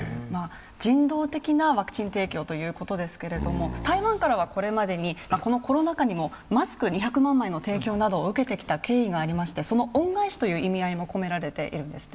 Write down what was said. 人道的なワクチン提供ということですけれども、台湾からはこれまでにこのコロナ禍にもマスク２００万枚の提供などを受けてきた経緯がありまして、その恩返しという意味合いも込められているんですね。